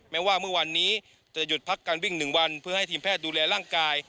แม้ว่าเมื่อวานนี้จะหยุดพักการวิ่ง๑วันเพื่อให้ทีมแพทย์ดูแลร่างกาย